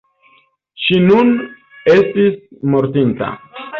Ŝi nun estis mortinta.